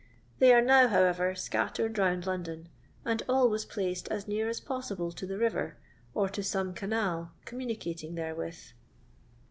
They are now, howevej^ icatteied xouid London, and always placed as near as possible to th* river, or to some canal communicating there with.